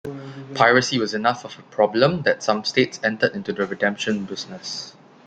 Piracy was enough of a problem that some states entered into the redemption business.